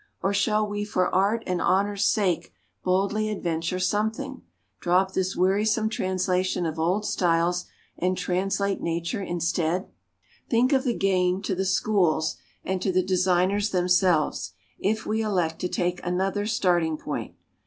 Or shall we for art and honour's sake boldly adventure something drop this wearisome translation of old styles and translate Nature instead? Think of the gain to the "Schools," and to the designers themselves, if we elect to take another starting point!